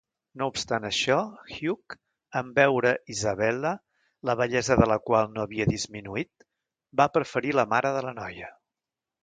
No obstant això, Hugh, en veure Isabella, la bellesa de la qual no havia disminuït, va preferir la mare de la noia.